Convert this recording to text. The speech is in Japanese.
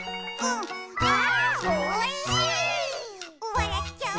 「わらっちゃう」